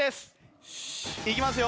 いきますよ。